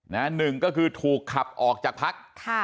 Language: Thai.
หนึ่งก็คือถูกขับออกจากพัก